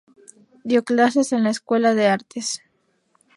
Dio clases en la Escuela de Artes.